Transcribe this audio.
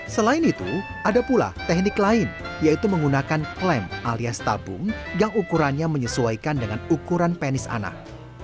selain itu ada pula teknik lain yaitu menggunakan klaim alias tabung yang ukurannya menyesuaikan dengan ukuran penis anak